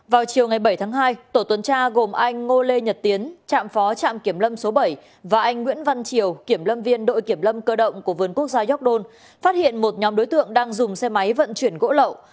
vào chiều ngày bảy tháng hai tổ tuần tra gồm anh ngô lê nhật tiến trạm phó trạm kiểm lâm số bảy và anh nguyễn văn triều kiểm lâm viên đội kiểm lâm cơ động của vườn quốc gia york don phát hiện một nhóm đối tượng đang dùng xe máy vận chuyển gỗ lậu